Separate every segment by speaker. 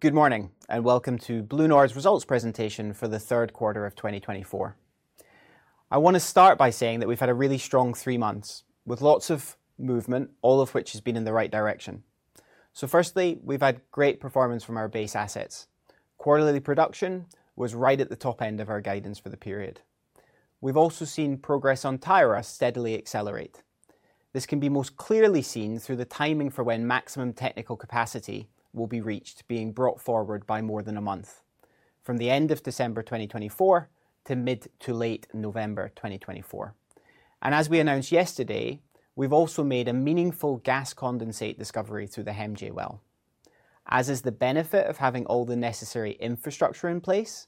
Speaker 1: Good morning and welcome to BlueNord's results presentation for the third quarter of 2024. I want to start by saying that we've had a really strong three months with lots of movement, all of which has been in the right direction. So firstly, we've had great performance from our base assets. Quarterly production was right at the top end of our guidance for the period. We've also seen progress on Tyra steadily accelerate. This can be most clearly seen through the timing for when maximum technical capacity will be reached, being brought forward by more than a month from the end of December 2024 to mid to late November 2024. And as we announced yesterday, we've also made a meaningful gas condensate discovery through the HEMJ well. As is the benefit of having all the necessary infrastructure in place,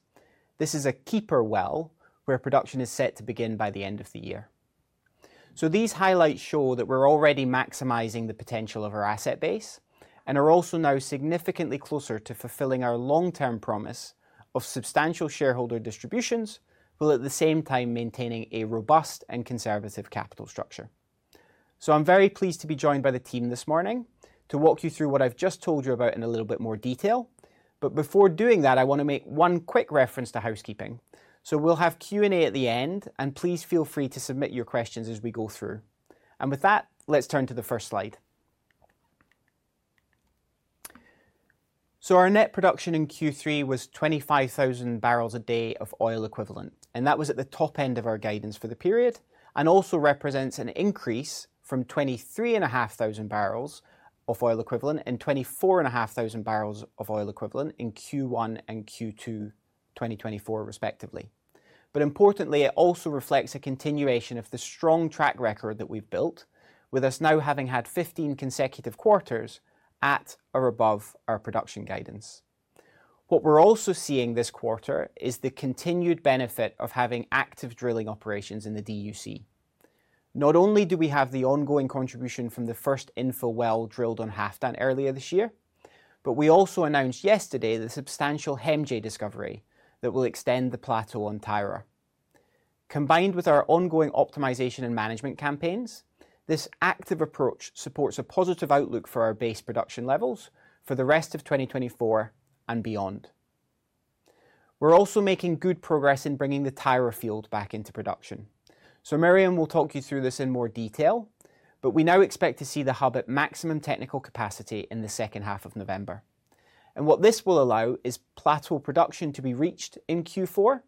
Speaker 1: this is a keeper well where production is set to begin by the end of the year. So these highlights show that we're already maximizing the potential of our asset base and are also now significantly closer to fulfilling our long-term promise of substantial shareholder distributions, while at the same time maintaining a robust and conservative capital structure. So I'm very pleased to be joined by the team this morning to walk you through what I've just told you about in a little bit more detail. But before doing that, I want to make one quick reference to housekeeping. So we'll have Q&A at the end, and please feel free to submit your questions as we go through. And with that, let's turn to the first slide. Our net production in Q3 was 25,000 barrels a day of oil equivalent, and that was at the top end of our guidance for the period and also represents an increase from 23,500 barrels of oil equivalent and 24,500 barrels of oil equivalent in Q1 and Q2 2024, respectively. But importantly, it also reflects a continuation of the strong track record that we've built, with us now having had 15 consecutive quarters at or above our production guidance. What we're also seeing this quarter is the continued benefit of having active drilling operations in the DUC. Not only do we have the ongoing contribution from the first infill well drilled on Halfdan earlier this year, but we also announced yesterday the substantial HEMJ discovery that will extend the plateau on Tyra. Combined with our ongoing optimization and management campaigns, this active approach supports a positive outlook for our base production levels for the rest of 2024 and beyond. We're also making good progress in bringing the Tyra field back into production. So Miriam will talk you through this in more detail, but we now expect to see the hub at maximum technical capacity in the second half of November, and what this will allow is plateau production to be reached in Q4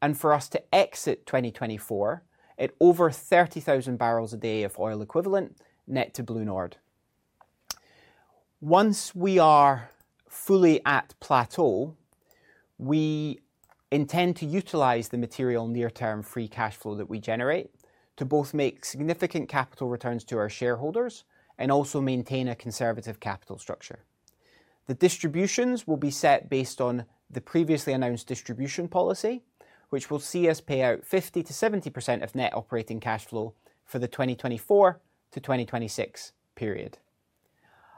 Speaker 1: and for us to exit 2024 at over 30,000 barrels a day of oil equivalent net to BlueNord. Once we are fully at plateau, we intend to utilize the material near-term free cash flow that we generate to both make significant capital returns to our shareholders and also maintain a conservative capital structure. The distributions will be set based on the previously announced distribution policy, which will see us pay out 50%-70% of net operating cash flow for the 2024 to 2026 period.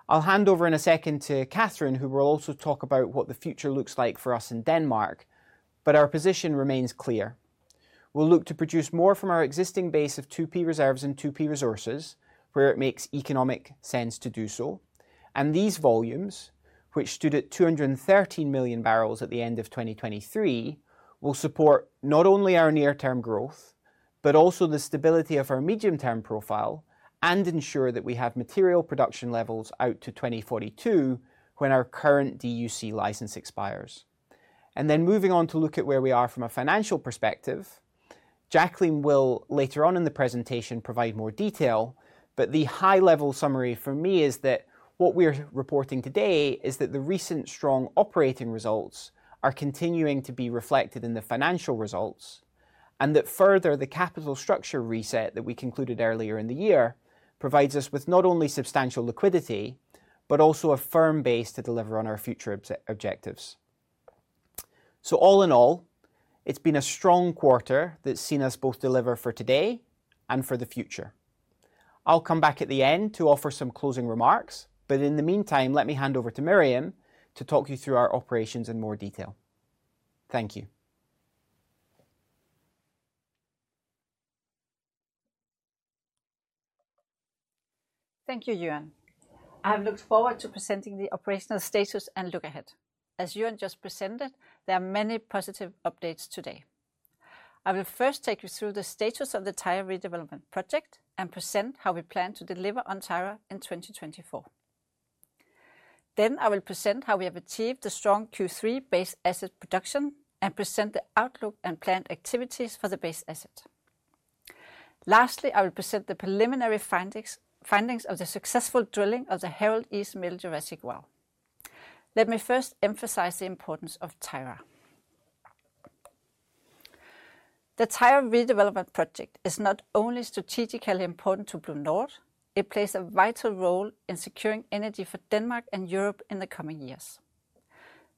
Speaker 1: I'll hand over in a second to Cathrine, who will also talk about what the future looks like for us in Denmark, but our position remains clear. We'll look to produce more from our existing base of 2P reserves and 2P resources, where it makes economic sense to do so. And these volumes, which stood at 213 million barrels at the end of 2023, will support not only our near-term growth, but also the stability of our medium-term profile and ensure that we have material production levels out to 2042 when our current DUC license expires. And then moving on to look at where we are from a financial perspective, Jacqueline will later on in the presentation provide more detail, but the high-level summary for me is that what we're reporting today is that the recent strong operating results are continuing to be reflected in the financial results and that further the capital structure reset that we concluded earlier in the year provides us with not only substantial liquidity, but also a firm base to deliver on our future objectives. So all in all, it's been a strong quarter that's seen us both deliver for today and for the future. I'll come back at the end to offer some closing remarks, but in the meantime, let me hand over to Miriam to talk you through our operations in more detail. Thank you.
Speaker 2: Thank you, Euan. I have looked forward to presenting the operational status and look ahead. As Euan just presented, there are many positive updates today. I will first take you through the status of the Tyra redevelopment project and present how we plan to deliver on Tyra in 2024, then I will present how we have achieved the strong Q3 base asset production and present the outlook and planned activities for the base asset. Lastly, I will present the preliminary findings of the successful drilling of the Harald East Middle Jurassic well. Let me first emphasize the importance of Tyra. The Tyra redevelopment project is not only strategically important to BlueNord, it plays a vital role in securing energy for Denmark and Europe in the coming years.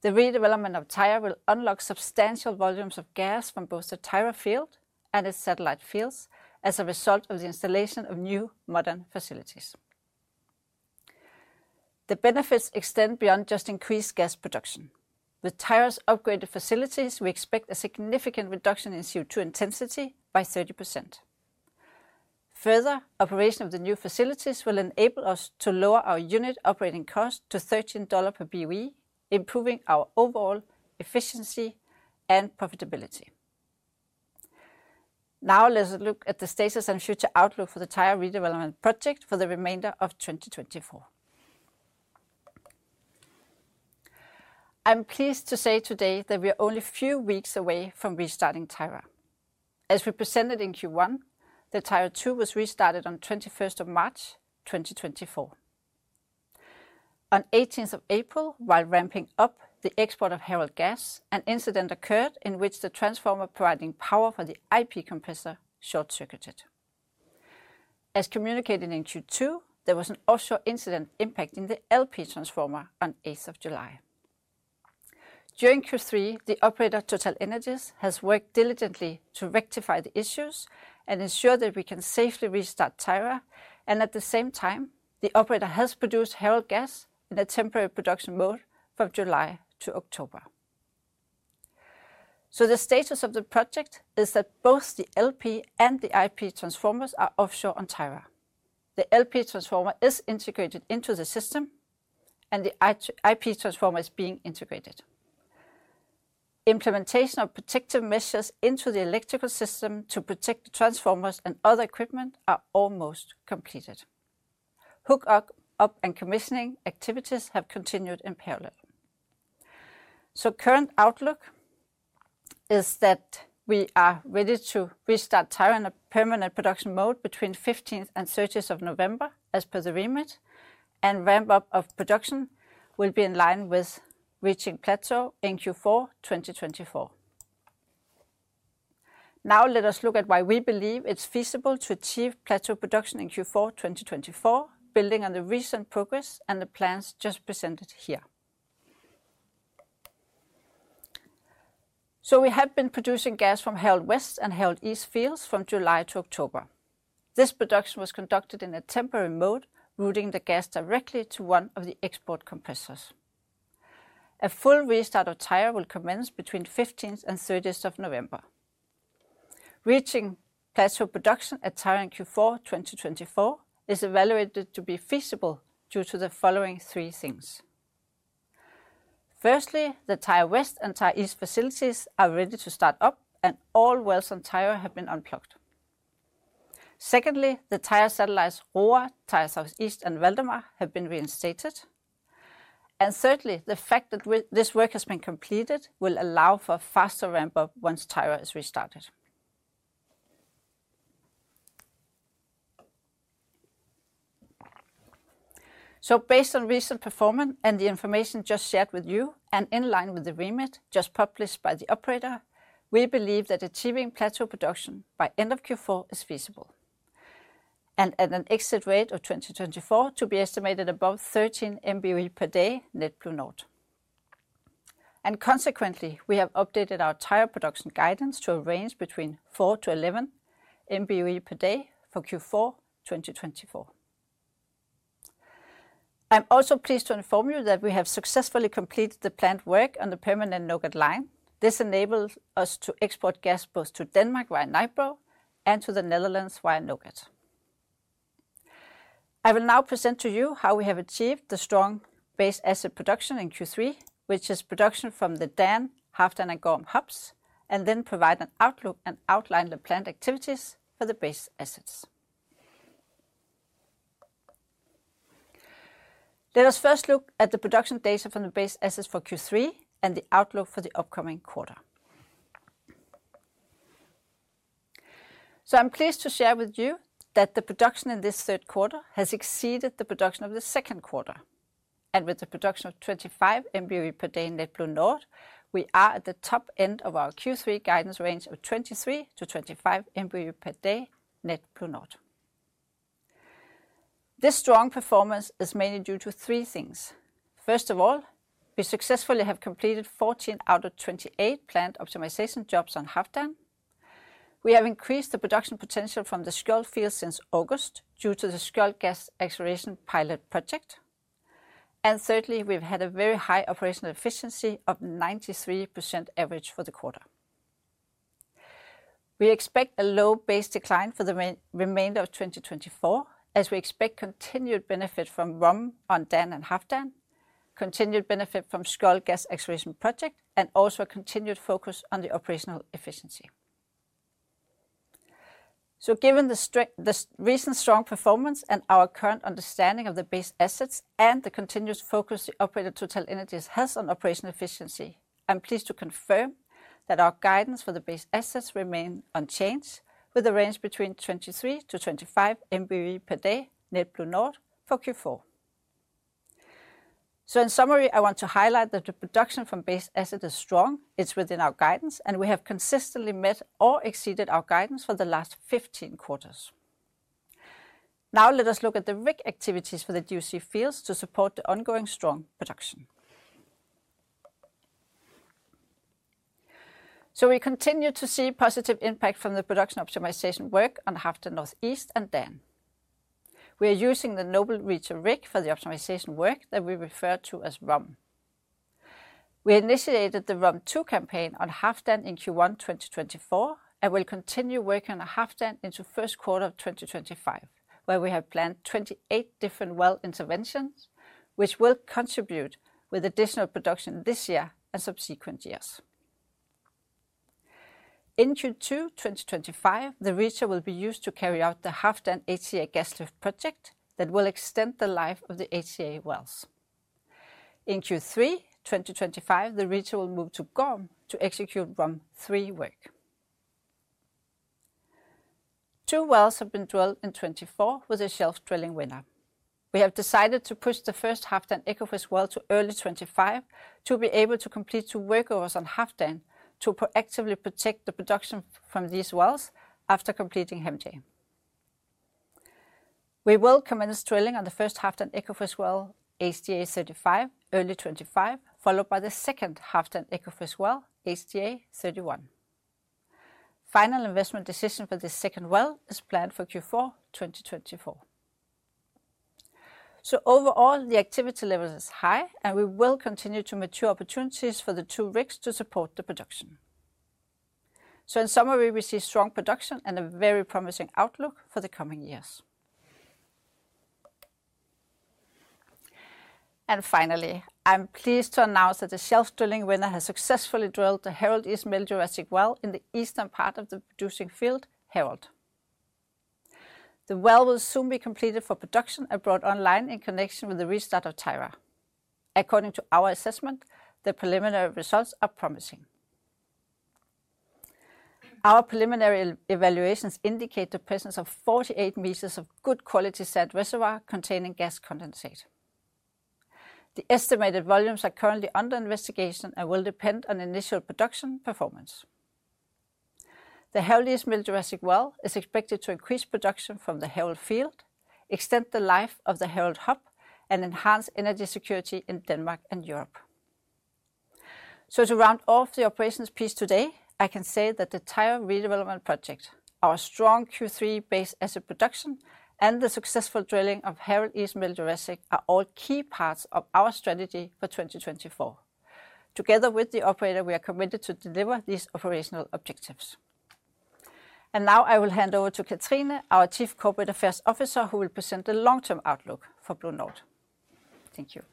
Speaker 2: The redevelopment of Tyra will unlock substantial volumes of gas from both the Tyra field and its satellite fields as a result of the installation of new modern facilities. The benefits extend beyond just increased gas production. With Tyra's upgraded facilities, we expect a significant reduction in CO2 intensity by 30%. Further, operation of the new facilities will enable us to lower our unit operating cost to $13 per BOE, improving our overall efficiency and profitability. Now let's look at the status and future outlook for the Tyra redevelopment project for the remainder of 2024. I'm pleased to say today that we are only a few weeks away from restarting Tyra. As we presented in Q1, the Tyra II was restarted on 21st of March 2024. On 18th of April, while ramping up the export of Harald gas, an incident occurred in which the transformer providing power for the IP compressor short-circuited. As communicated in Q2, there was an offshore incident impacting the LP transformer on 8th of July. During Q3, the operator TotalEnergies has worked diligently to rectify the issues and ensure that we can safely restart Tyra, and at the same time, the operator has produced Harald gas in a temporary production mode from July to October, so the status of the project is that both the LP and the IP transformers are offshore on Tyra. The LP transformer is integrated into the system and the IP transformer is being integrated. Implementation of protective measures into the electrical system to protect the transformers and other equipment are almost completed. Hook-up and commissioning activities have continued in parallel. Current outlook is that we are ready to restart Tyra in a permanent production mode between 15th and 30th of November as per the REMIT, and ramp-up of production will be in line with reaching plateau in Q4 2024. Now let us look at why we believe it's feasible to achieve plateau production in Q4 2024, building on the recent progress and the plans just presented here. We have been producing gas from Harald West and Harald East fields from July to October. This production was conducted in a temporary mode, routing the gas directly to one of the export compressors. A full restart of Tyra will commence between 15th and 30th of November. Reaching plateau production at Tyra in Q4 2024 is evaluated to be feasible due to the following three things. Firstly, the Tyra West and Tyra East facilities are ready to start up and all wells on Tyra have been unplugged. Secondly, the Tyra satellites Roar, Tyra Southeast, and Valdemar have been reinstated. And thirdly, the fact that this work has been completed will allow for a faster ramp-up once Tyra is restarted. So based on recent performance and the information just shared with you, and in line with the REMIT just published by the operator, we believe that achieving plateau production by end of Q4 is feasible. And at an exit rate of 2024 to be estimated above 13 MBOE per day net BlueNord. And consequently, we have updated our Tyra production guidance to a range between 4-11 MBOE per day for Q4 2024. I'm also pleased to inform you that we have successfully completed the planned work on the permanent NOGAT line. This enables us to export gas both to Denmark via NIBRA and to the Netherlands via NOGAT. I will now present to you how we have achieved the strong base asset production in Q3, which is production from the DAN, Halfdan, and Gorm hubs, and then provide an outlook and outline the planned activities for the base assets. Let us first look at the production data from the base assets for Q3 and the outlook for the upcoming quarter. I'm pleased to share with you that the production in this third quarter has exceeded the production of the second quarter. With the production of 25 MBOE per day net BlueNord, we are at the top end of our Q3 guidance range of 23-25 MBOE per day net BlueNord. This strong performance is mainly due to three things. First of all, we successfully have completed 14 out of 28 planned optimization jobs on Halfdan. We have increased the production potential from the Skjold field since August due to the Skjold gas acceleration pilot project. And thirdly, we've had a very high operational efficiency of 93% average for the quarter. We expect a low base decline for the remainder of 2024, as we expect continued benefit from ROM on Dan and Halfdan, continued benefit from Skjold gas acceleration project, and also a continued focus on the operational efficiency. So given the recent strong performance and our current understanding of the base assets and the continuous focus the operator TotalEnergies has on operational efficiency, I'm pleased to confirm that our guidance for the base assets remain unchanged with a range between 23-25 MBOE per net BlueNord for Q4. In summary, I want to highlight that the production from base asset is strong, it's within our guidance, and we have consistently met or exceeded our guidance for the last 15 quarters. Now let us look at the rig activities for the DUC fields to support the ongoing strong production. We continue to see positive impact from the production optimization work on Halfdan Northeast and Dan. We are using the Noble Reacher rig for the optimization work that we refer to as ROM. We initiated the ROM 2 campaign on Halfdan in Q1 2024 and will continue working on Halfdan into first quarter of 2025, where we have planned 28 different well interventions, which will contribute with additional production this year and subsequent years. In Q2 2025, the Reacher will be used to carry out the Halfdan HCA gas lift project that will extend the life of the HCA wells. In Q3 2025, the Reacher will move to Gorm to execute ROM 3 work. Two wells have been drilled in 2024 with a Shelf Drilling Winner. We have decided to push the first Halfdan Ekofisk well to early 2025 to be able to complete two workovers on Halfdan to proactively protect the production from these wells after completing HEMJ. We will commence drilling on the first Halfdan Ekofisk well HDA 35 early 2025, followed by the second Halfdan Ekofisk well HDA 31. Final investment decision for the second well is planned for Q4 2024. So overall, the activity level is high and we will continue to mature opportunities for the two rigs to support the production. In summary, we see strong production and a very promising outlook for the coming years. Finally, I'm pleased to announce that the Shelf Drilling Winner has successfully drilled the Harald East Middle Jurassic well in the eastern part of the producing field, Harald. The well will soon be completed for production and brought online in connection with the restart of Tyra. According to our assessment, the preliminary results are promising. Our preliminary evaluations indicate the presence of 48 meters of good quality sand reservoir containing gas condensate. The estimated volumes are currently under investigation and will depend on initial production performance. The Harald East Middle Jurassic well is expected to increase production from the Harald field, extend the life of the Harald hub, and enhance energy security in Denmark and Europe. So to round off the operations piece today, I can say that the Tyra redevelopment project, our strong Q3 base asset production, and the successful drilling of Harald East Middle Jurassic are all key parts of our strategy for 2024. Together with the operator, we are committed to deliver these operational objectives. And now I will hand over to Cathrine, our Chief Corporate Affairs Officer, who will present the long-term outlook for BlueNord. Thank you.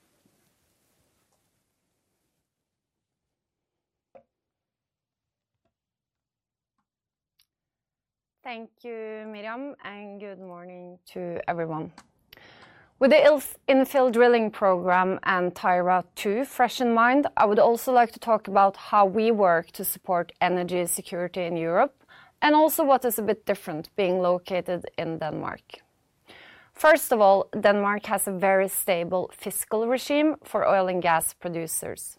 Speaker 3: Thank you, Miriam, and good morning to everyone. With the infill drilling program and Tyra II fresh in mind, I would also like to talk about how we work to support energy security in Europe and also what is a bit different being located in Denmark. First of all, Denmark has a very stable fiscal regime for oil and gas producers.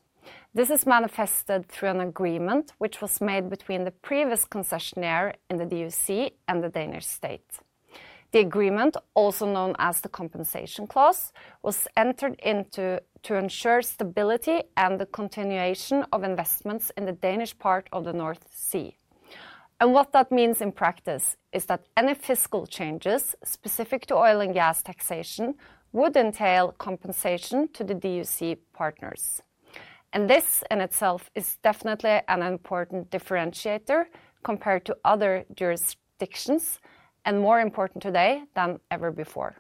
Speaker 3: This is manifested through an agreement which was made between the previous concessionaire in the DUC and the Danish state. The agreement, also known as the compensation clause, was entered into to ensure stability and the continuation of investments in the Danish part of the North Sea, and what that means in practice is that any fiscal changes specific to oil and gas taxation would entail compensation to the DUC partners, and this in itself is definitely an important differentiator compared to other jurisdictions and more important today than ever before.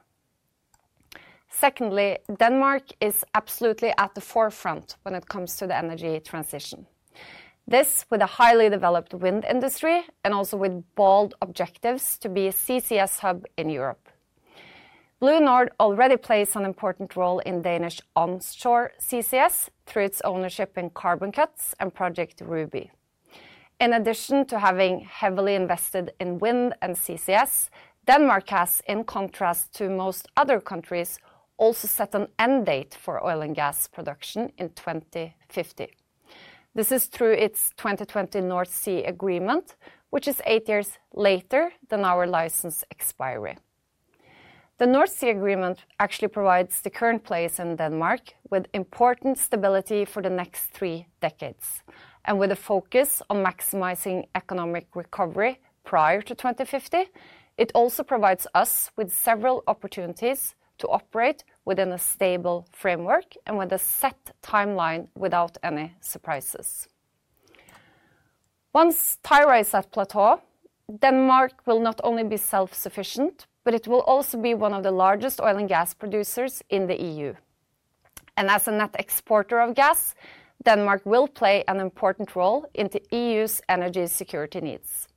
Speaker 3: Secondly, Denmark is absolutely at the forefront when it comes to the energy transition. This with a highly developed wind industry and also with bold objectives to be a CCS hub in Europe. BlueNord already plays an important role in Danish onshore CCS through its ownership in CarbonCuts and Project Ruby. In addition to having heavily invested in wind and CCS, Denmark has, in contrast to most other countries, also set an end date for oil and gas production in 2050. This is through its 2020 North Sea Agreement, which is eight years later than our license expiry. The North Sea Agreement actually provides the current place in Denmark with important stability for the next three decades, and with a focus on maximizing economic recovery prior to 2050, it also provides us with several opportunities to operate within a stable framework and with a set timeline without any surprises. Once Tyra is at plateau, Denmark will not only be self-sufficient, but it will also be one of the largest oil and gas producers in the EU, and as a net exporter of gas, Denmark will play an important role in the EU's energy security needs.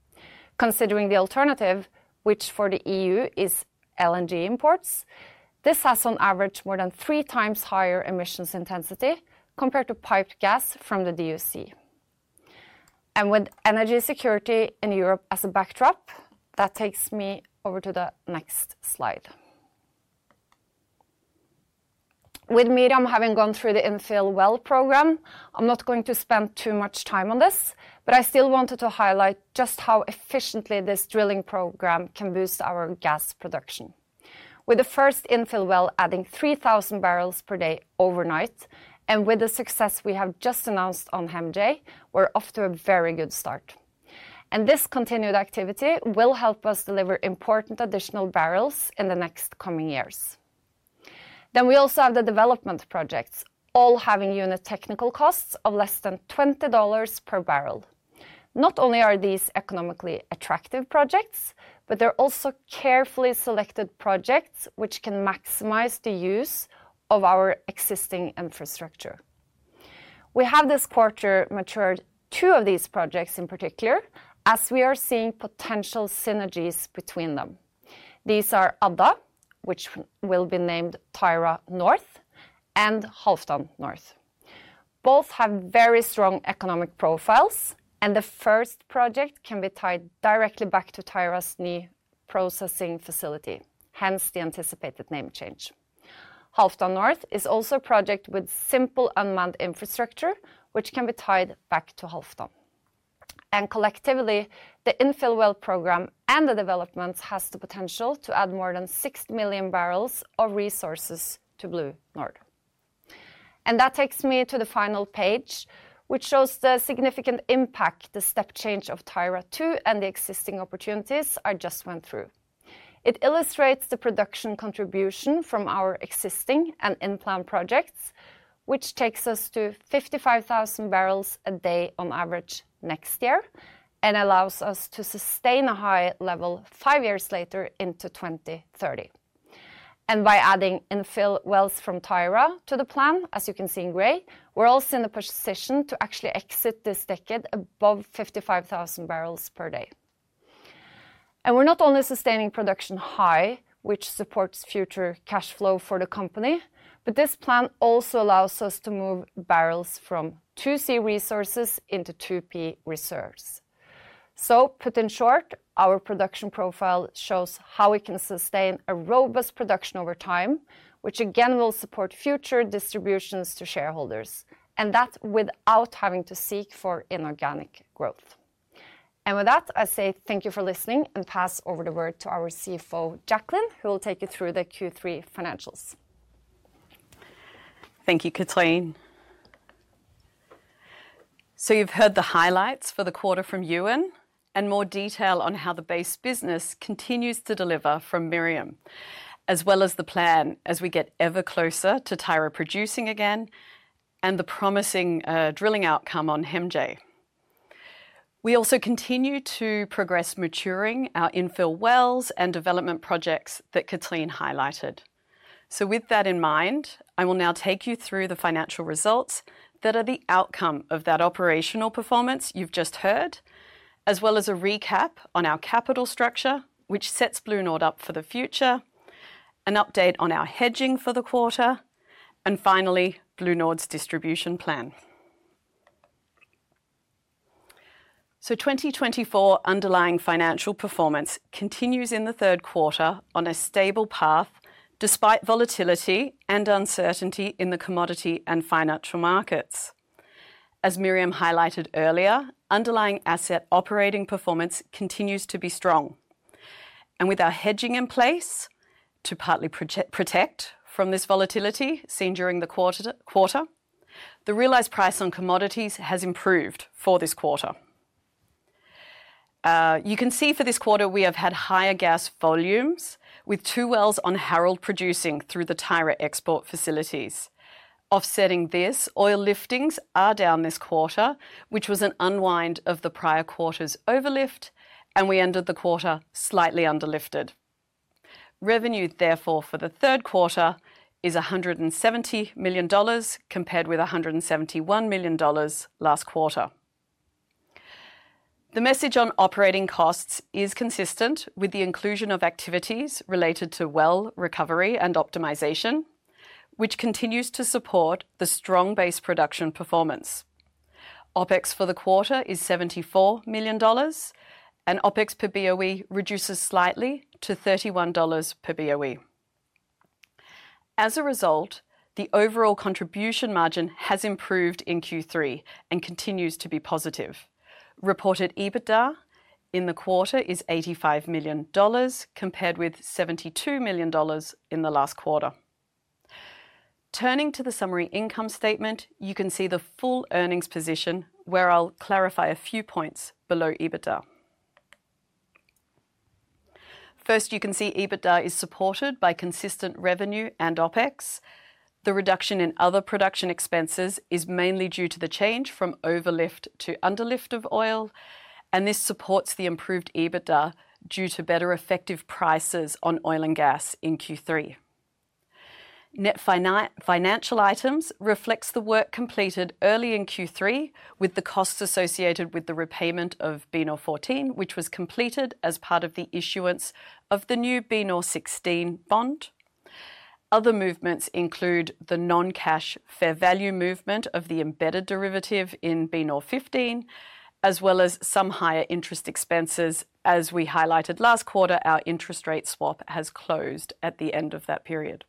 Speaker 3: Considering the alternative, which for the EU is LNG imports, this has on average more than three times higher emissions intensity compared to piped gas from the DUC, and with energy security in Europe as a backdrop, that takes me over to the next slide. With Miriam having gone through the infill well program, I'm not going to spend too much time on this, but I still wanted to highlight just how efficiently this drilling program can boost our gas production. With the first infill well adding 3,000 barrels per day overnight and with the success we have just announced on HEMJ, we're off to a very good start, and this continued activity will help us deliver important additional barrels in the next coming years, then we also have the development projects, all having unit technical costs of less than $20 per barrel. Not only are these economically attractive projects, but they're also carefully selected projects which can maximize the use of our existing infrastructure. We have this quarter matured two of these projects in particular as we are seeing potential synergies between them. These are Adda, which will be named Tyra North, and Halfdan North. Both have very strong economic profiles and the first project can be tied directly back to Tyra's new processing facility, hence the anticipated name change. Halfdan North is also a project with simple unmanned infrastructure which can be tied back to Halfdan. Collectively, the infill well program and the developments has the potential to add more than 60 million barrels of resources to BlueNord. That takes me to the final page, which shows the significant impact the step change of Tyra II and the existing opportunities I just went through. It illustrates the production contribution from our existing and in-plan projects, which takes us to 55,000 barrels a day on average next year and allows us to sustain a high level five years later into 2030. And by adding infill wells from Tyra to the plan, as you can see in gray, we're also in the position to actually exit this decade above 55,000 barrels per day. And we're not only sustaining production high, which supports future cash flow for the company, but this plan also allows us to move barrels from 2C resources into 2P reserves. So put in short, our production profile shows how we can sustain a robust production over time, which again will support future distributions to shareholders, and that without having to seek for inorganic growth. With that, I say thank you for listening and pass over the word to our CFO, Jacqueline, who will take you through the Q3 financials.
Speaker 4: Thank you, Cathrine. So you've heard the highlights for the quarter from Euan and more detail on how the base business continues to deliver from Miriam, as well as the plan as we get ever closer to Tyra producing again and the promising drilling outcome on HEMJ. We also continue to progress maturing our infill wells and development projects that Cathrine highlighted. So with that in mind, I will now take you through the financial results that are the outcome of that operational performance you've just heard, as well as a recap on our capital structure, which sets BlueNord up for the future, an update on our hedging for the quarter, and finally, BlueNord's distribution plan. So 2024 underlying financial performance continues in the third quarter on a stable path despite volatility and uncertainty in the commodity and financial markets. As Miriam highlighted earlier, underlying asset operating performance continues to be strong, and with our hedging in place to partly protect from this volatility seen during the quarter, the realized price on commodities has improved for this quarter. You can see for this quarter we have had higher gas volumes with two wells on Harald producing through the Tyra export facilities. Offsetting this, oil liftings are down this quarter, which was an unwind of the prior quarter's overlift, and we ended the quarter slightly underlifted. Revenue, therefore, for the third quarter is $170 million compared with $171 million last quarter. The message on operating costs is consistent with the inclusion of activities related to well recovery and optimization, which continues to support the strong base production performance. OpEx for the quarter is $74 million, and OpEx per BOE reduces slightly to $31 per BOE. As a result, the overall contribution margin has improved in Q3 and continues to be positive. Reported EBITDA in the quarter is $85 million compared with $72 million in the last quarter. Turning to the summary income statement, you can see the full earnings position where I'll clarify a few points below EBITDA. First, you can see EBITDA is supported by consistent revenue and OpEx. The reduction in other production expenses is mainly due to the change from overlift to underlift of oil, and this supports the improved EBITDA due to better effective prices on oil and gas in Q3. Net financial items reflects the work completed early in Q3 with the costs associated with the repayment of BNOR14, which was completed as part of the issuance of the new BNOR16 bond. Other movements include the non-cash fair value movement of the embedded derivative in BNOR15, as well as some higher interest expenses. As we highlighted last quarter, our interest rate swap has closed at the end of that period.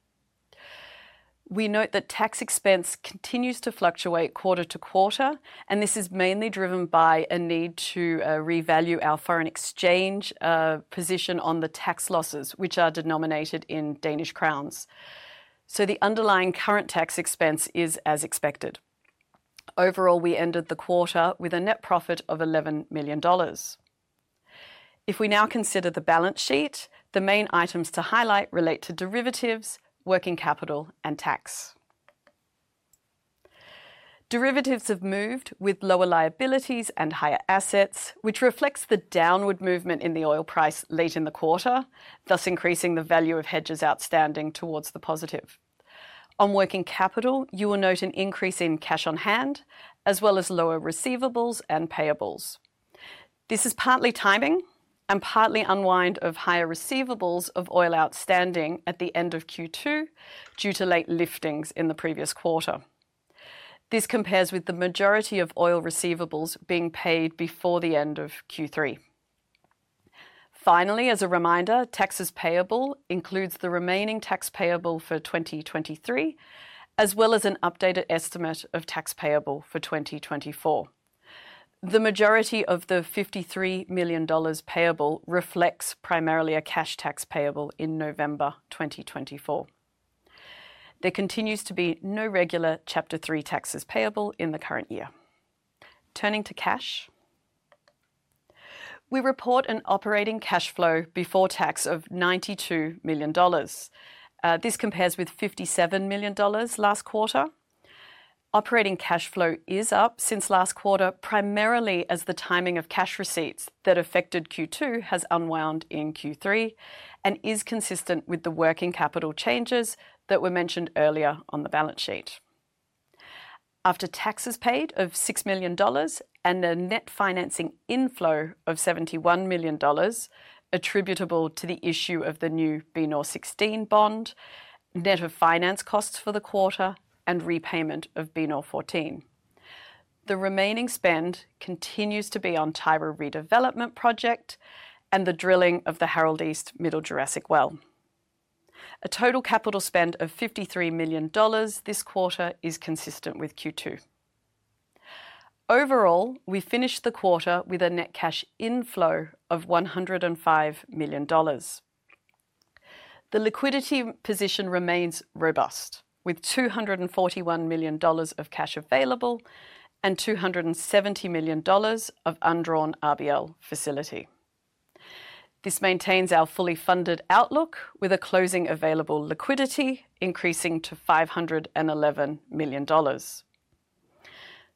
Speaker 4: We note that tax expense continues to fluctuate quarter to quarter, and this is mainly driven by a need to revalue our foreign exchange position on the tax losses, which are denominated in Danish crowns. So the underlying current tax expense is as expected. Overall, we ended the quarter with a net profit of $11 million. If we now consider the balance sheet, the main items to highlight relate to derivatives, working capital, and tax. Derivatives have moved with lower liabilities and higher assets, which reflects the downward movement in the oil price late in the quarter, thus increasing the value of hedges outstanding towards the positive. On working capital, you will note an increase in cash on hand, as well as lower receivables and payables. This is partly timing and partly unwind of higher receivables of oil outstanding at the end of Q2 due to late liftings in the previous quarter. This compares with the majority of oil receivables being paid before the end of Q3. Finally, as a reminder, taxes payable includes the remaining tax payable for 2023, as well as an updated estimate of tax payable for 2024. The majority of the $53 million payable reflects primarily a cash tax payable in November 2024. There continues to be no regular Chapter 3 taxes payable in the current year. Turning to cash, we report an operating cash flow before tax of $92 million. This compares with $57 million last quarter. Operating cash flow is up since last quarter, primarily as the timing of cash receipts that affected Q2 has unwound in Q3 and is consistent with the working capital changes that were mentioned earlier on the balance sheet. After taxes paid of $6 million and a net financing inflow of $71 million attributable to the issue of the new BNOR16 bond, net of finance costs for the quarter and repayment of BNOR14. The remaining spend continues to be on Tyra redevelopment project and the drilling of the Harald East Middle Jurassic well. A total capital spend of $53 million this quarter is consistent with Q2. Overall, we finished the quarter with a net cash inflow of $105 million. The liquidity position remains robust with $241 million of cash available and $270 million of undrawn RBL facility. This maintains our fully funded outlook with a closing available liquidity increasing to $511 million.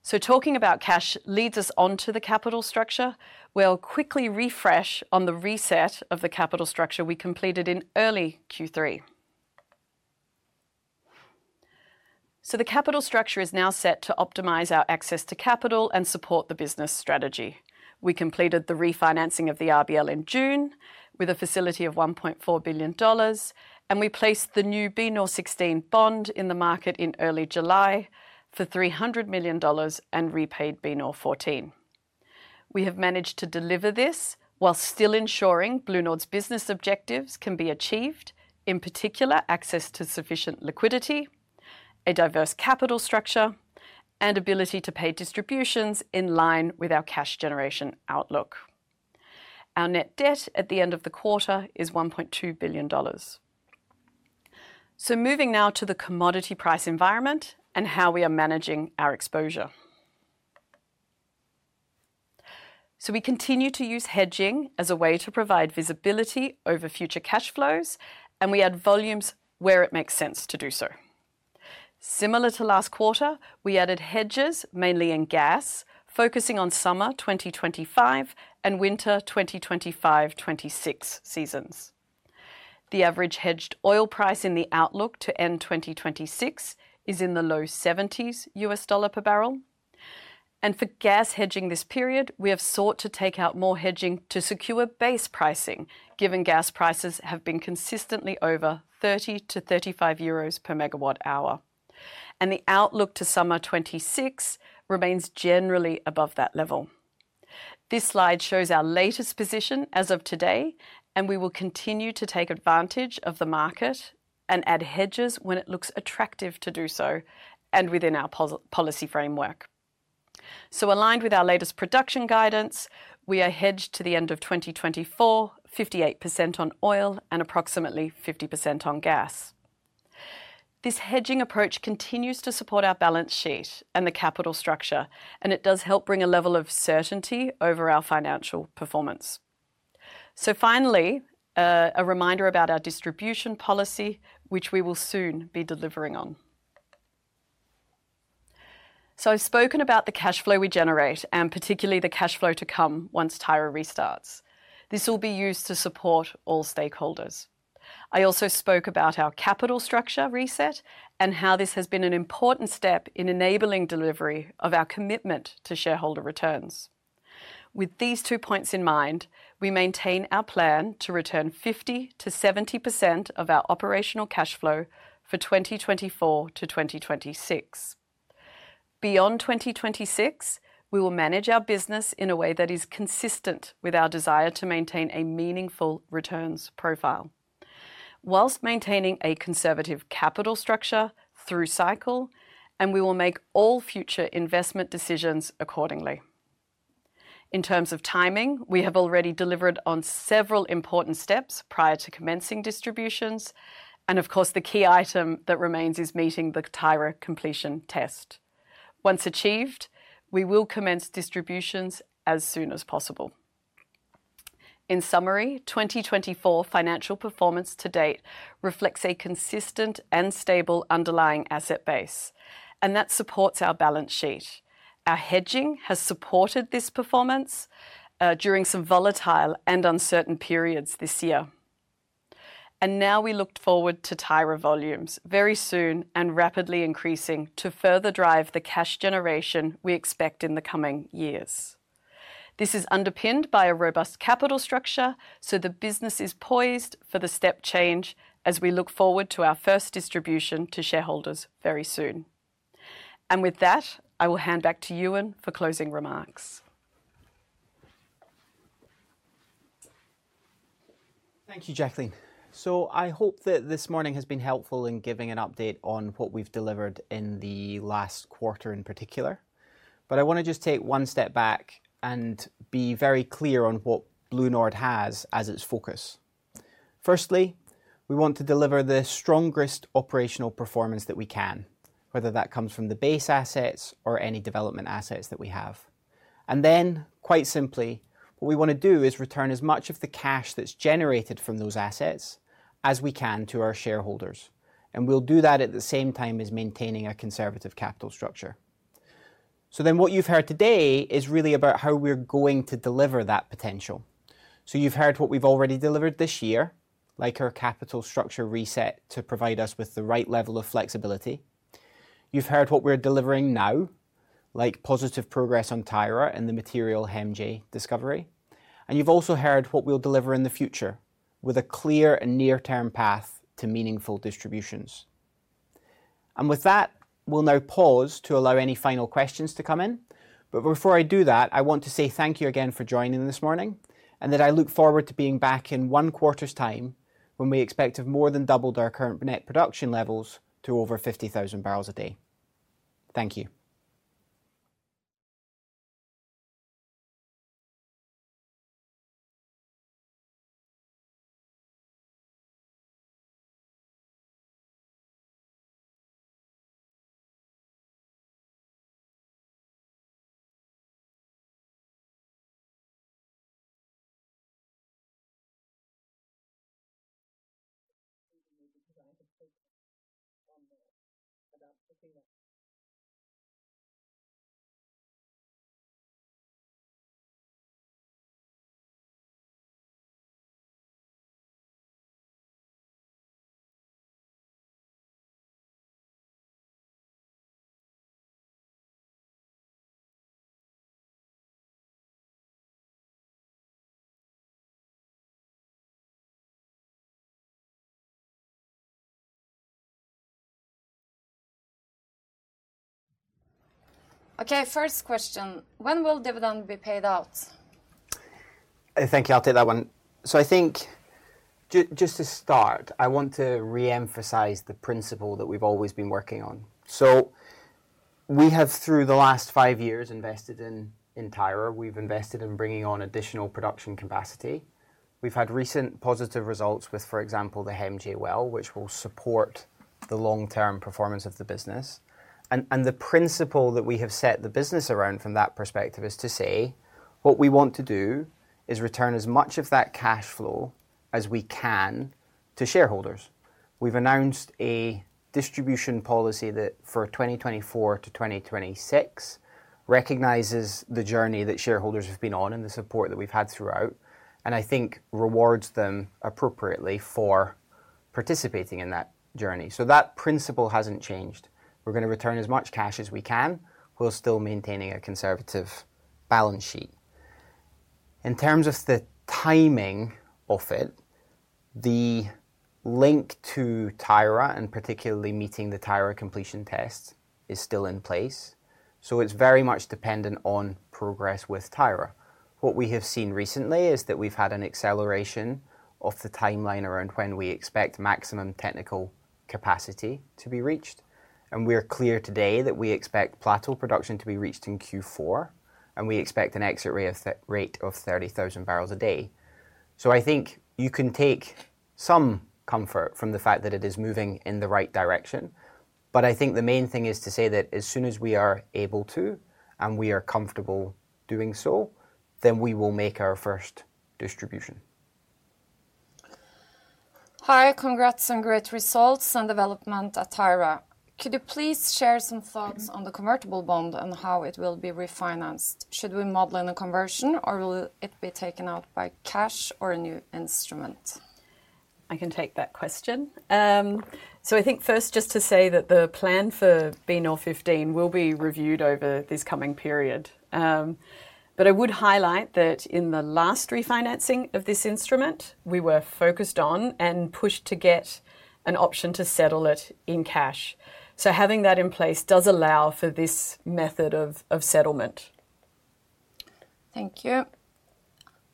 Speaker 4: So talking about cash leads us on to the capital structure. We'll quickly refresh on the reset of the capital structure we completed in early Q3. So the capital structure is now set to optimize our access to capital and support the business strategy. We completed the refinancing of the RBL in June with a facility of $1.4 billion, and we placed the new BNOR16 bond in the market in early July for $300 million and repaid BNOR14. We have managed to deliver this while still ensuring BlueNord's business objectives can be achieved, in particular access to sufficient liquidity, a diverse capital structure, and ability to pay distributions in line with our cash generation outlook. Our net debt at the end of the quarter is $1.2 billion. Moving now to the commodity price environment and how we are managing our exposure. We continue to use hedging as a way to provide visibility over future cash flows, and we add volumes where it makes sense to do so. Similar to last quarter, we added hedges mainly in gas, focusing on summer 2025 and winter 2025-2026 seasons. The average hedged oil price in the outlook to end 2026 is in the low $70s per barrel. For gas hedging this period, we have sought to take out more hedging to secure base pricing, given gas prices have been consistently over 30-35 euros per megawatt hour. The outlook to summer 2026 remains generally above that level. This slide shows our latest position as of today, and we will continue to take advantage of the market and add hedges when it looks attractive to do so and within our policy framework. So aligned with our latest production guidance, we are hedged to the end of 2024, 58% on oil and approximately 50% on gas. This hedging approach continues to support our balance sheet and the capital structure, and it does help bring a level of certainty over our financial performance. So finally, a reminder about our distribution policy, which we will soon be delivering on. So I've spoken about the cash flow we generate and particularly the cash flow to come once Tyra restarts. This will be used to support all stakeholders. I also spoke about our capital structure reset and how this has been an important step in enabling delivery of our commitment to shareholder returns. With these two points in mind, we maintain our plan to return 50%-70 of our operational cash flow for 2024-2026. Beyond 2026, we will manage our business in a way that is consistent with our desire to maintain a meaningful returns profile, while maintaining a conservative capital structure through cycle, and we will make all future investment decisions accordingly. In terms of timing, we have already delivered on several important steps prior to commencing distributions, and of course, the key item that remains is meeting the Tyra completion test. Once achieved, we will commence distributions as soon as possible. In summary, 2024 financial performance to date reflects a consistent and stable underlying asset base, and that supports our balance sheet. Our hedging has supported this performance during some volatile and uncertain periods this year. Now we look forward to Tyra volumes very soon and rapidly increasing to further drive the cash generation we expect in the coming years. This is underpinned by a robust capital structure, so the business is poised for the step change as we look forward to our first distribution to shareholders very soon. With that, I will hand back to Euan for closing remarks.
Speaker 1: Thank you, Jacqueline, so I hope that this morning has been helpful in giving an update on what we've delivered in the last quarter in particular, but I want to just take one step back and be very clear on what BlueNord has as its focus. Firstly, we want to deliver the strongest operational performance that we can, whether that comes from the base assets or any development assets that we have, and then, quite simply, what we want to do is return as much of the cash that's generated from those assets as we can to our shareholders, and we'll do that at the same time as maintaining a conservative capital structure, so then what you've heard today is really about how we're going to deliver that potential. So you've heard what we've already delivered this year, like our capital structure reset to provide us with the right level of flexibility. You've heard what we're delivering now, like positive progress on Tyra and the material HEMJ discovery. And you've also heard what we'll deliver in the future with a clear and near-term path to meaningful distributions. And with that, we'll now pause to allow any final questions to come in. But before I do that, I want to say thank you again for joining this morning and that I look forward to being back in one quarter's time when we expect to have more than doubled our current net production levels to over 50,000 barrels a day. Thank you.
Speaker 5: Okay, first question. When will dividend be paid out?
Speaker 1: Thank you, I'll take that one. So I think just to start, I want to re-emphasize the principle that we've always been working on. So we have, through the last five years, invested in Tyra. We've invested in bringing on additional production capacity. We've had recent positive results with, for example, the HEMJ well, which will support the long-term performance of the business. And the principle that we have set the business around from that perspective is to say what we want to do is return as much of that cash flow as we can to shareholders. We've announced a distribution policy that for 2024-2026 recognizes the journey that shareholders have been on and the support that we've had throughout, and I think rewards them appropriately for participating in that journey. So that principle hasn't changed. We're going to return as much cash as we can, while still maintaining a conservative balance sheet. In terms of the timing of it, the link to Tyra and particularly meeting the Tyra completion test is still in place. So it's very much dependent on progress with Tyra. What we have seen recently is that we've had an acceleration of the timeline around when we expect maximum technical capacity to be reached. And we're clear today that we expect plateau production to be reached in Q4, and we expect an exit rate of 30,000 barrels a day. So I think you can take some comfort from the fact that it is moving in the right direction, but I think the main thing is to say that as soon as we are able to and we are comfortable doing so, then we will make our first distribution.
Speaker 5: Hi, congrats on great results and development at Tyra. Could you please share some thoughts on the convertible bond and how it will be refinanced? Should we model in a conversion, or will it be taken out by cash or a new instrument?
Speaker 4: I can take that question. So I think first just to say that the plan for BNOR15 will be reviewed over this coming period. But I would highlight that in the last refinancing of this instrument, we were focused on and pushed to get an option to settle it in cash. So having that in place does allow for this method of settlement.
Speaker 5: Thank you.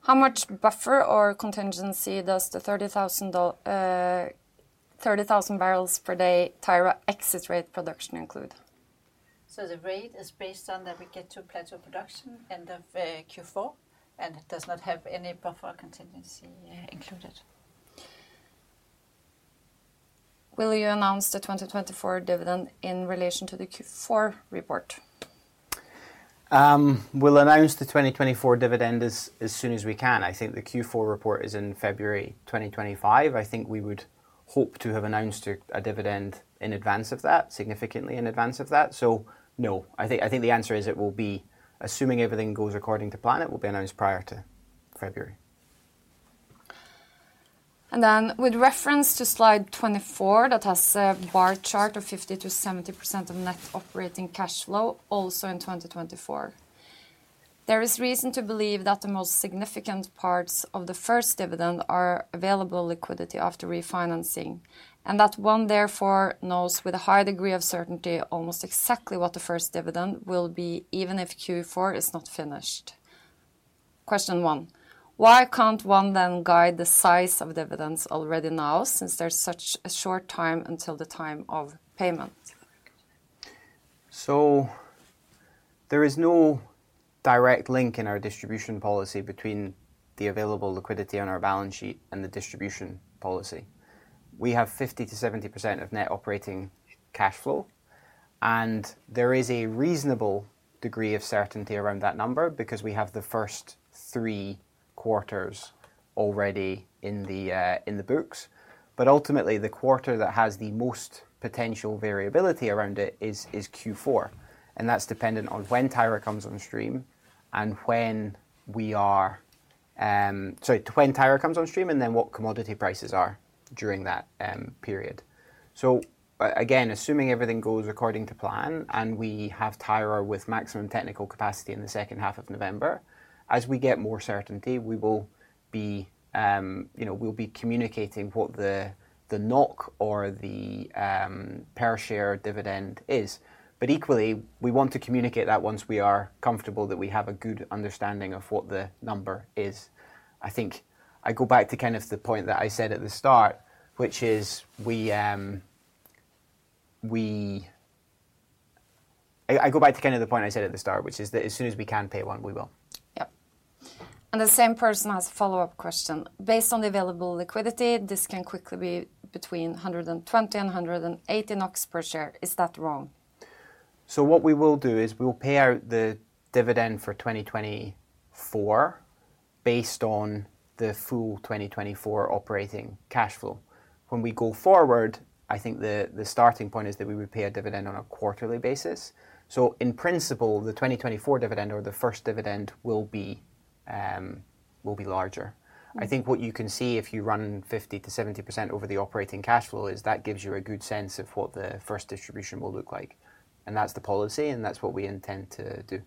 Speaker 5: How much buffer or contingency does the 30,000 barrels per day Tyra exit rate production include?
Speaker 2: So the rate is based on that we get to plateau production end of Q4, and it does not have any buffer contingency included.
Speaker 5: Will you announce the 2024 dividend in relation to the Q4 report?
Speaker 1: We'll announce the 2024 dividend as soon as we can. I think the Q4 report is in February 2025. I think we would hope to have announced a dividend in advance of that, significantly in advance of that. So no, I think the answer is it will be, assuming everything goes according to plan, it will be announced prior to February.
Speaker 5: Then with reference to slide 24, that has a bar chart of 50%-70 of net operating cash flow also in 2024. There is reason to believe that the most significant parts of the first dividend are available liquidity after refinancing, and that one therefore knows with a high degree of certainty almost exactly what the first dividend will be even if Q4 is not finished. Question one, why can't one then guide the size of dividends already now since there's such a short time until the time of payment?
Speaker 1: There is no direct link in our distribution policy between the available liquidity on our balance sheet and the distribution policy. We have 50%-70 of net operating cash flow, and there is a reasonable degree of certainty around that number because we have the first three quarters already in the books. Ultimately, the quarter that has the most potential variability around it is Q4, and that's dependent on when Tyra comes on stream and when we are, sorry, when Tyra comes on stream and then what commodity prices are during that period. Again, assuming everything goes according to plan and we have Tyra with maximum technical capacity in the second half of November, as we get more certainty, we will be communicating what the NOK or the per share dividend is. Equally, we want to communicate that once we are comfortable that we have a good understanding of what the number is. I think I go back to kind of the point that I said at the start, which is that as soon as we can pay one, we will.
Speaker 5: Yep. And the same person has a follow-up question. Based on the available liquidity, this can quickly be between 120 and 180 NOK per share. Is that wrong?
Speaker 1: So what we will do is we will pay out the dividend for 2024 based on the full 2024 operating cash flow. When we go forward, I think the starting point is that we would pay a dividend on a quarterly basis. So in principle, the 2024 dividend or the first dividend will be larger. I think what you can see if you run 50%-70 over the operating cash flow is that gives you a good sense of what the first distribution will look like. And that's the policy, and that's what we intend to do.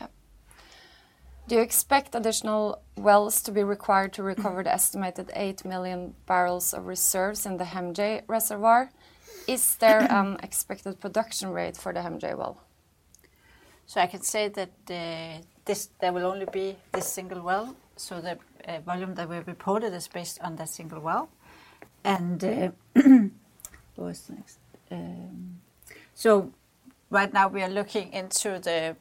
Speaker 5: Yep. Do you expect additional wells to be required to recover the estimated eight million barrels of reserves in the HEMJ reservoir? Is there an expected production rate for the HEMJ well?
Speaker 2: So I can say that there will only be this single well. So the volume that we reported is based on that single well. And who is next? So right now we are looking into the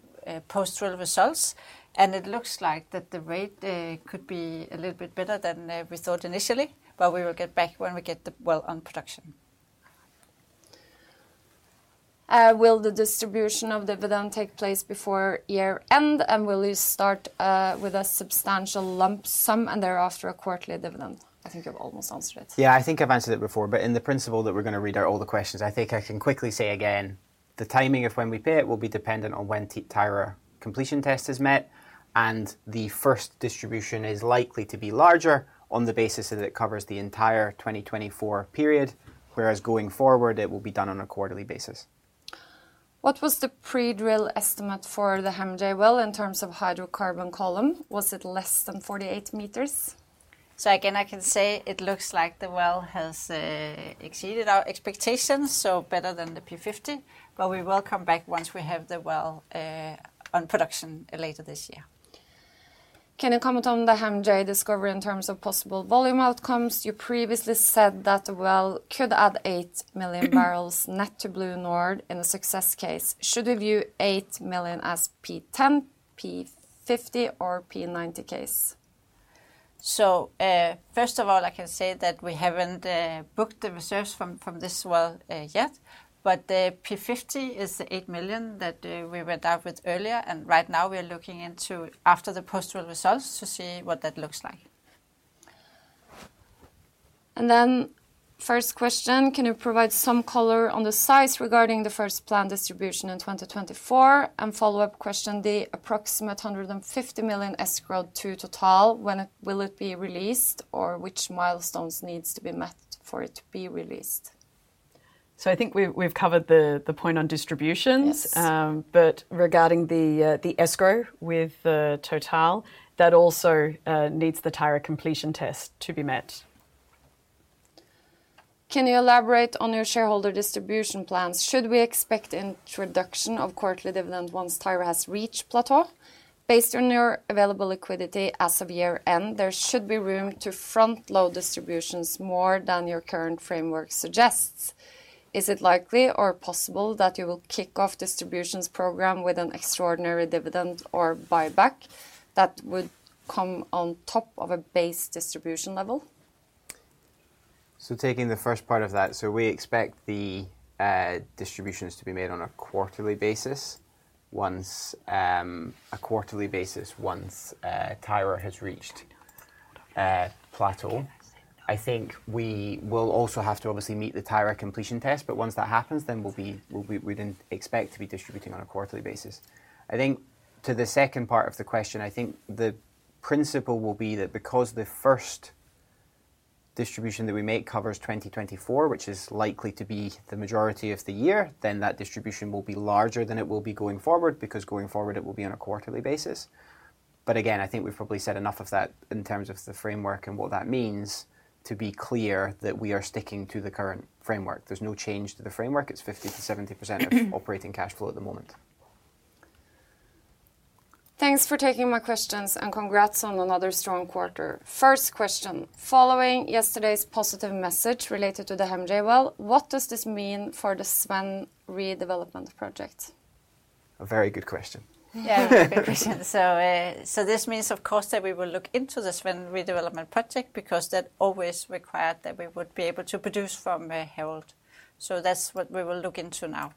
Speaker 2: post-drill results, and it looks like that the rate could be a little bit better than we thought initially, but we will get back when we get the well on production.
Speaker 5: Will the distribution of dividend take place before year end, and will you start with a substantial lump sum and thereafter a quarterly dividend? I think you've almost answered it.
Speaker 1: Yeah, I think I've answered it before, but in principle that we're going to read out all the questions, I think I can quickly say again, the timing of when we pay it will be dependent on when the Tyra completion test is met, and the first distribution is likely to be larger on the basis that it covers the entire 2024 period, whereas going forward it will be done on a quarterly basis.
Speaker 5: What was the pre-drill estimate for the HEMJ well in terms of hydrocarbon column? Was it less than 48 meters?
Speaker 2: So again, I can say it looks like the well has exceeded our expectations, so better than the P50, but we will come back once we have the well on production later this year.
Speaker 5: Can you comment on the HEMJ discovery in terms of possible volume outcomes? You previously said that the well could add 8 million barrels net to BlueNord in a success case. Should we view 8 million as P10, P50, or P90 case?
Speaker 2: First of all, I can say that we haven't booked the reserves from this well yet, but the P50 is the eight million that we read out with earlier, and right now we are looking into after the post-drill results to see what that looks like.
Speaker 5: And then first question, can you provide some color on the size regarding the first planned distribution in 2024? Follow-up question, the approximate $150 million escrow to Total, when will it be released or which milestones need to be met for it to be released?
Speaker 4: So, I think we've covered the point on distributions, but regarding the escrow with the Total, that also needs the Tyra completion test to be met.
Speaker 5: Can you elaborate on your shareholder distribution plans? Should we expect introduction of quarterly dividend once Tyra has reached plateau? Based on your available liquidity as of year end, there should be room to front-load distributions more than your current framework suggests. Is it likely or possible that you will kick off distributions program with an extraordinary dividend or buyback that would come on top of a base distribution level?
Speaker 1: Taking the first part of that, we expect the distributions to be made on a quarterly basis once Tyra has reached plateau. I think we will also have to obviously meet the Tyra completion test, but once that happens, then we wouldn't expect to be distributing on a quarterly basis. I think to the second part of the question, I think the principle will be that because the first distribution that we make covers 2024, which is likely to be the majority of the year, then that distribution will be larger than it will be going forward because going forward it will be on a quarterly basis. But again, I think we've probably said enough of that in terms of the framework and what that means to be clear that we are sticking to the current framework. There's no change to the framework. It's 50%-70% of operating cash flow at the moment.
Speaker 5: Thanks for taking my questions and congrats on another strong quarter. First question, following yesterday's positive message related to the HEMJ well, what does this mean for the Svend redevelopment project?
Speaker 1: A very good question.
Speaker 2: Yeah, very good question. So this means, of course, that we will look into the Svend redevelopment project because that always required that we would be able to produce from Harald. So that's what we will look into now.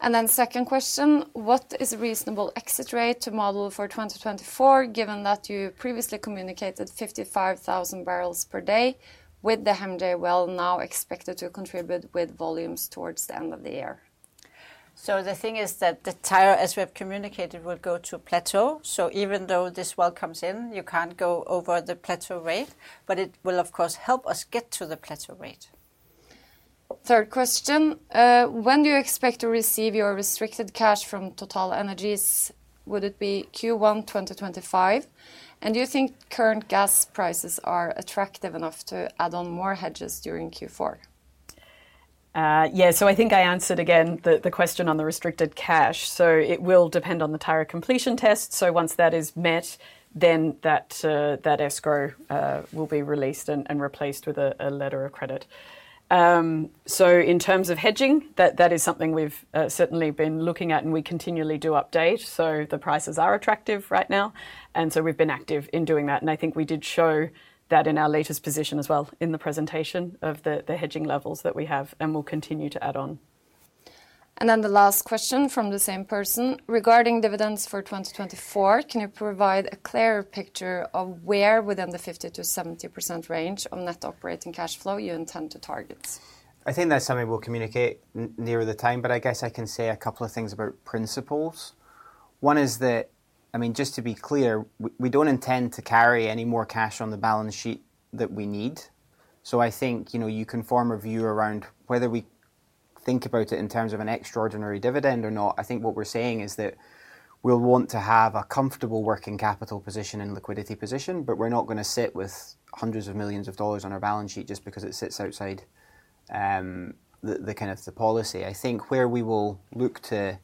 Speaker 5: Then second question, what is a reasonable exit rate to model for 2024 given that you previously communicated 55,000 barrels per day with the HEMJ well now expected to contribute with volumes towards the end of the year?
Speaker 2: So the thing is that the Tyra, as we have communicated, will go to plateau. So even though this well comes in, you can't go over the plateau rate, but it will, of course, help us get to the plateau rate.
Speaker 5: Third question, when do you expect to receive your restricted cash from TotalEnergies? Would it be Q1 2025? And do you think current gas prices are attractive enough to add on more hedges during Q4?
Speaker 4: Yeah, so I think I answered again the question on the restricted cash. So it will depend on the Tyra completion test. So once that is met, then that escrow will be released and replaced with a letter of credit. So in terms of hedging, that is something we've certainly been looking at and we continually do update. So the prices are attractive right now, and so we've been active in doing that. And I think we did show that in our latest position as well in the presentation of the hedging levels that we have, and we'll continue to add on.
Speaker 5: And then the last question from the same person regarding dividends for 2024, can you provide a clearer picture of where within the 50%-70% range of net operating cash flow you intend to target?
Speaker 1: I think that's something we'll communicate nearer the time, but I guess I can say a couple of things about principles. One is that, I mean, just to be clear, we don't intend to carry any more cash on the balance sheet that we need. So I think you can form a view around whether we think about it in terms of an extraordinary dividend or not. I think what we're saying is that we'll want to have a comfortable working capital position and liquidity position, but we're not going to sit with hundreds of millions of dollars on our balance sheet just because it sits outside the kind of the policy. I think where we will look to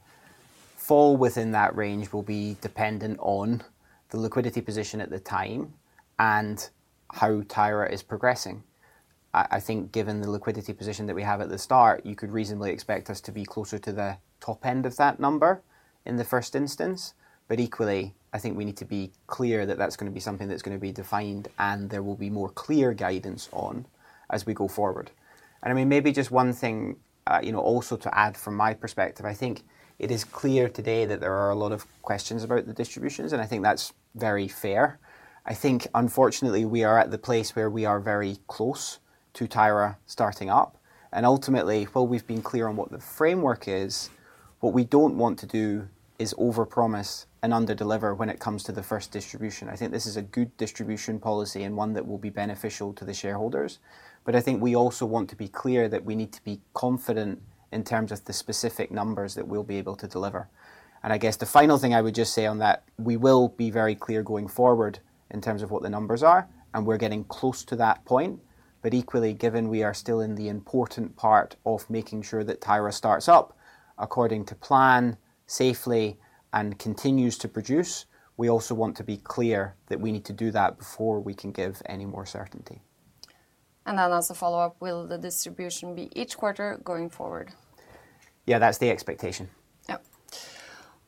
Speaker 1: fall within that range will be dependent on the liquidity position at the time and how Tyra is progressing. I think given the liquidity position that we have at the start, you could reasonably expect us to be closer to the top end of that number in the first instance, but equally, I think we need to be clear that that's going to be something that's going to be defined and there will be more clear guidance on as we go forward, and I mean, maybe just one thing also to add from my perspective, I think it is clear today that there are a lot of questions about the distributions, and I think that's very fair. I think unfortunately we are at the place where we are very close to Tyra starting up, and ultimately, while we've been clear on what the framework is, what we don't want to do is overpromise and underdeliver when it comes to the first distribution. I think this is a good distribution policy and one that will be beneficial to the shareholders. But I think we also want to be clear that we need to be confident in terms of the specific numbers that we'll be able to deliver. And I guess the final thing I would just say on that, we will be very clear going forward in terms of what the numbers are, and we're getting close to that point. But equally, given we are still in the important part of making sure that Tyra starts up according to plan safely and continues to produce, we also want to be clear that we need to do that before we can give any more certainty.
Speaker 5: And then as a follow-up, will the distribution be each quarter going forward?
Speaker 1: Yeah, that's the expectation.
Speaker 5: Yep.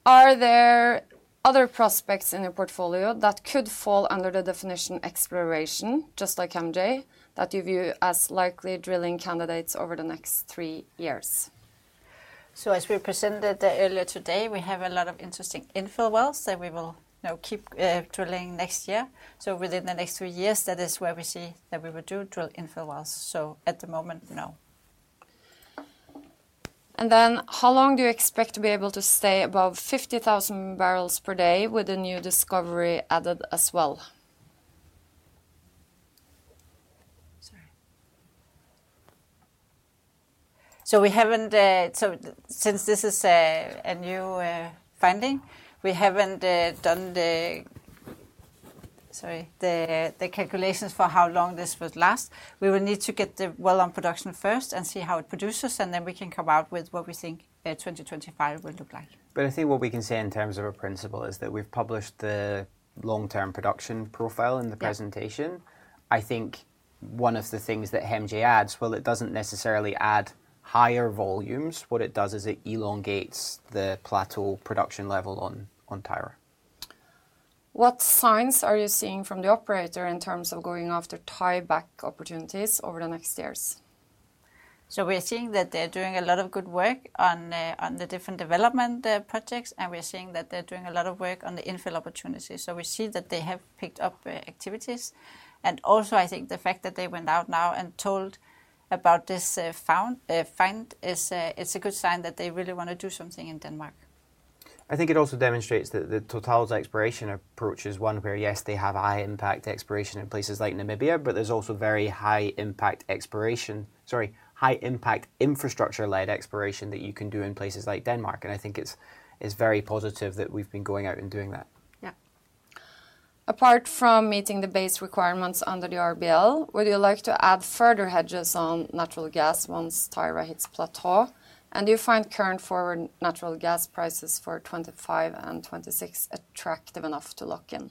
Speaker 5: Are there other prospects in your portfolio that could fall under the definition exploration, just like MJ, that you view as likely drilling candidates over the next three years?
Speaker 2: So as we presented earlier today, we have a lot of interesting infill wells that we will now keep drilling next year. So within the next three years, that is where we see that we would do drill infill wells. So at the moment, no.
Speaker 5: Then how long do you expect to be able to stay above 50,000 barrels per day with a new discovery added as well?
Speaker 2: So we haven't, so since this is a new finding, we haven't done, sorry, the calculations for how long this would last. We will need to get the well on production first and see how it produces, and then we can come out with what we think 2025 will look like.
Speaker 1: But I think what we can say in terms of a principle is that we've published the long-term production profile in the presentation. I think one of the things that HEMJ adds, well, it doesn't necessarily add higher volumes. What it does is it elongates the plateau production level on Tyra.
Speaker 5: What signs are you seeing from the operator in terms of going after tieback opportunities over the next years?
Speaker 2: So we're seeing that they're doing a lot of good work on the different development projects, and we're seeing that they're doing a lot of work on the infill opportunities. So we see that they have picked up activities. And also, I think the fact that they went out now and told about this find is a good sign that they really want to do something in Denmark.
Speaker 1: I think it also demonstrates that the Total's exploration approach is one where, yes, they have high impact exploration in places like Namibia, but there's also very high impact exploration, sorry, high impact infrastructure-led exploration that you can do in places like Denmark, and I think it's very positive that we've been going out and doing that.
Speaker 5: Yep. Apart from meeting the base requirements under the RBL, would you like to add further hedges on natural gas once Tyra hits plateau? And do you find current forward natural gas prices for 2025 and 2026 attractive enough to lock in?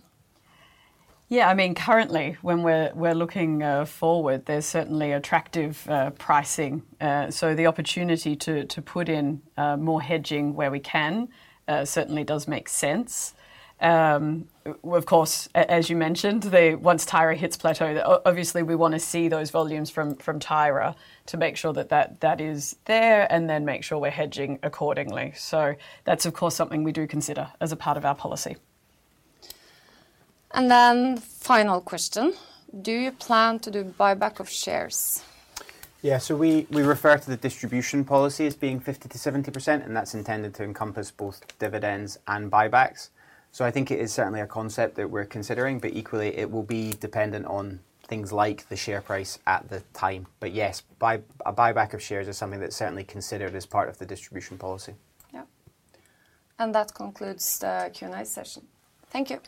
Speaker 4: Yeah, I mean, currently when we're looking forward, there's certainly attractive pricing. So the opportunity to put in more hedging where we can certainly does make sense. Of course, as you mentioned, once Tyra hits plateau, obviously we want to see those volumes from Tyra to make sure that that is there and then make sure we're hedging accordingly. So that's, of course, something we do consider as a part of our policy.
Speaker 5: And then, final question, do you plan to do buyback of shares?
Speaker 1: Yeah, so we refer to the distribution policy as being 50%-70, and that's intended to encompass both dividends and buybacks. So I think it is certainly a concept that we're considering, but equally it will be dependent on things like the share price at the time. But yes, a buyback of shares is something that's certainly considered as part of the distribution policy.
Speaker 5: Yep. And that concludes the Q&A session. Thank you.